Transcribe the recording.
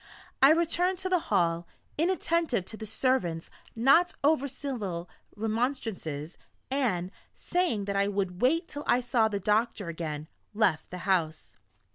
I returned to the hall, inattentive to the servant's not over civil remonstrances, and, saying that I would wait till I saw the doctor again, left the house.